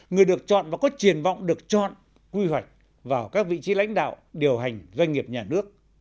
người được chọn và có triển vọng được chọn quy hoạch vào các vị trí lãnh đạo điều hành doanh nghiệp nhà nước